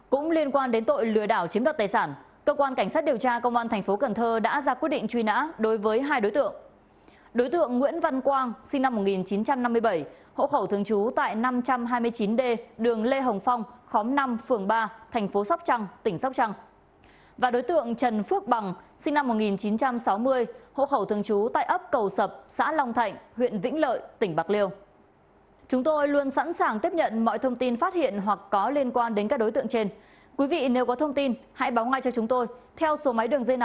cũng liên quan đến tội lừa đảo chiếm đoạt tài sản cơ quan cảnh sát điều tra công an tp cần thơ đã ra quyết định truy nã đối với hai đối tượng